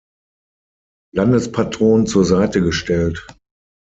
Landespatron zur Seite gestellt.